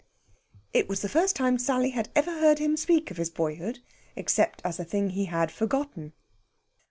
It was the first time Sally had ever heard him speak of his boyhood except as a thing he had forgotten.